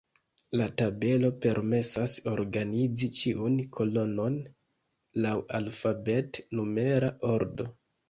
La tabelo permesas organizi ĉiun kolonon laŭ alfabet-numera ordo.